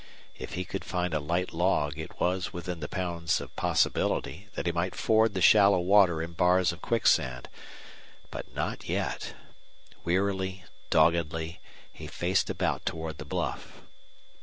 If he could find a light log it was within the bounds of possibility that he might ford the shallow water and bars of quicksand. But not yet! Wearily, doggedly he faced about toward the bluff.